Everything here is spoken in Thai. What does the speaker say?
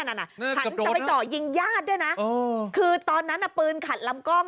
หันจะไปเจาะยิงญาติด้วยนะคือตอนนั้นปืนขัดลำกล้อง